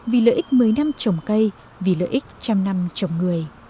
vì lợi ích mấy năm trồng cây vì lợi ích trăm năm trồng người